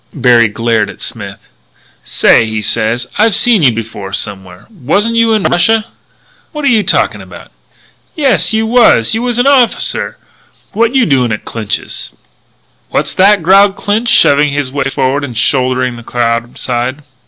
Berry glared at Smith. "Say," he said, "I seen you before somewhere. Wasn't you in Russia?" "What are you talking about?" "Yes, you was. You was an officer! What you doing at Clinch's?" "What's that?" growled Clinch, shoving his way forward and shouldering the crowd aside.